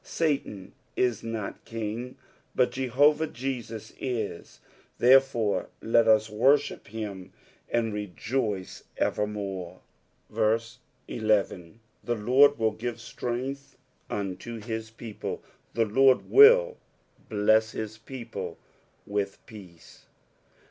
Satan is not king, but Jehovsh Jesus is ; therefore let us worship him, and rejoice evermore. 1 1 The Lord will give strength unto his people ; the Lord will bless his people with peace.